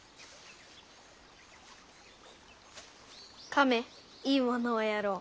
亀いいものをやろう。